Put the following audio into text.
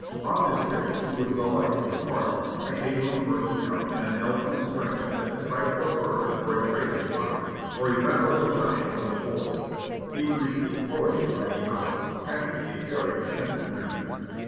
On this trip he was the life of the party, occasionally bursting out in an eloquent strain at the sight of a bird or a trailing vine, or a venerable giant of the forest. He would repeat poetry by the hour, having a very retentive memory."